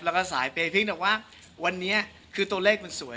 แล้วก็สายเปย์เพียงแต่ว่าวันนี้คือตัวเลขมันสวย